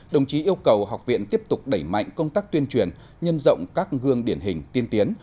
đồng chí yêu cầu học viện tiếp tục đẩy mạnh công tác tuyên truyền nhân rộng các gương điển hình tiên tiến